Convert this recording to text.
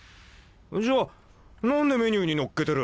じゃあ何でメニューに載っけてる？